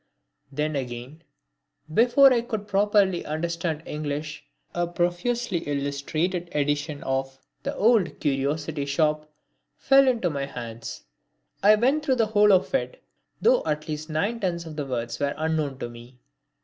Then, again, before I could properly understand English, a profusely illustrated edition of "The Old Curiosity Shop" fell into my hands. I went through the whole of it, though at least nine tenths of the words were unknown to me.